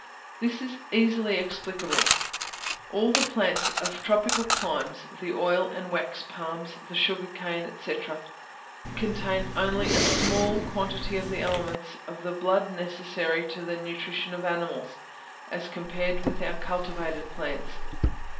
This is easily explicable. All the plants of tropical climates, the oil and wax palms, the sugar cane, &c., contain only a small quantity of the elements of the blood necessary to the nutrition of animals, as compared with our cultivated plants.